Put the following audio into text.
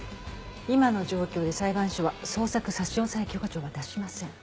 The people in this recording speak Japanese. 今の状況で裁判所は捜索差押許可状は出しません。